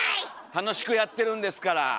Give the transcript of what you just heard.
楽しくやってるんですから。